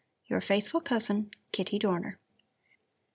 Your faithful cousin, KITTY DORNER.